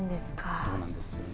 そうなんですよね。